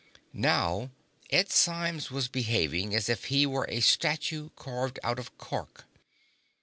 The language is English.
Now Ed Symes was behaving as if he were a statue carved out of cork.